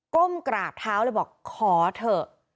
ก้มกราบเท้าเลยบอกขอเถอะ